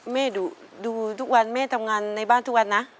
แม่ดูทุกวันแม่ทำงานในบ้านทุกวันนะ